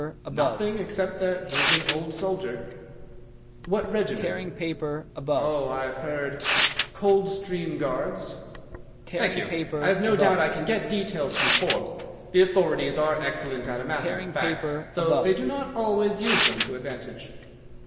"Nothing except that he is an old soldier." "What regiment?" "Oh, I have heard—Coldstream Guards." "Thank you. I have no doubt I can get details from Forbes. The authorities are excellent at amassing facts, though they do not always use them to advantage.